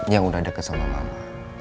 yang udah dekat sama mama